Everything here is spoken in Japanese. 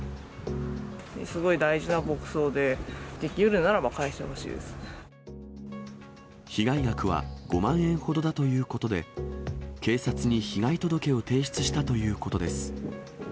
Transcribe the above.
すごい大事な牧草で、被害額は５万円ほどだということで、警察に被害届を提出したということです。